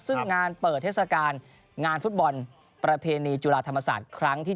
ซึ่งงานเปิดเทศกาลงานฟุตบอลประเพณีจุฬาธรรมศาสตร์ครั้งที่๓